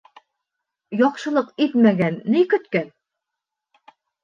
Яҡшылыҡ итмәгән ни көткән?